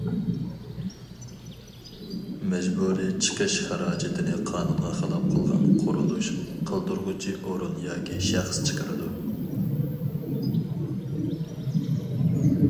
مەجبۇرىي چېقىش خىراجىتىنى قانۇنغا خىلاپ قىلغان قۇرۇلۇش قىلدۇرغۇچى ئورۇن ياكى شەخس چىقىرىدۇ.